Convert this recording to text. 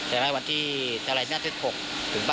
เห็นไหมวันที่เจรจน๑๗ถึงป